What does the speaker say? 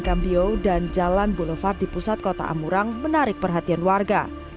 kambio dan jalan boulevard di pusat kota amurang menarik perhatian warga